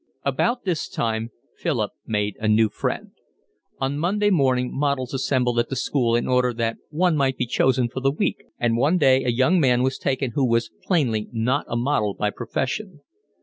About this time Philip made a new friend. On Monday morning models assembled at the school in order that one might be chosen for the week, and one day a young man was taken who was plainly not a model by profession.